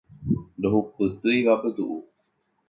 Ndohupytýiva pytu'u